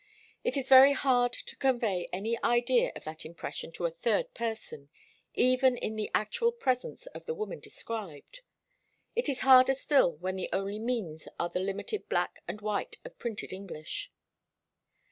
It is very hard to convey any idea of that impression to a third person, even in the actual presence of the woman described; it is harder still when the only means are the limited black and white of printed English.